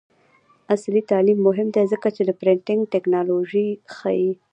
عصري تعلیم مهم دی ځکه چې د پرنټینګ ټیکنالوژي ښيي.